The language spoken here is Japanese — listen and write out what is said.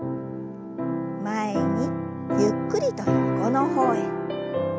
前にゆっくりと横の方へ。